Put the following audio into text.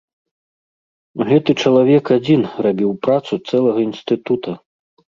Гэты чалавек адзін рабіў працу цэлага інстытута.